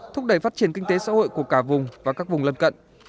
thúc đẩy phát triển kinh tế xã hội của cả vùng và các vùng lân cận